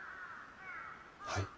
はい。